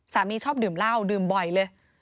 ชอบดื่มเหล้าดื่มบ่อยเลย